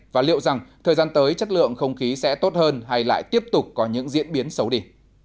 và liệu rằng thời gian tới chất lượng không khí sẽ tốt hơn hay lại tiếp tục có những diễn biến xấu đi